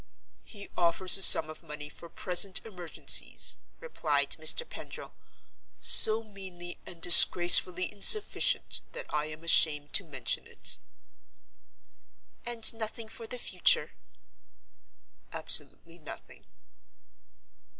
"He offers a sum of money for present emergencies," replied Mr. Pendril, "so meanly and disgracefully insufficient that I am ashamed to mention it." "And nothing for the future?" "Absolutely nothing."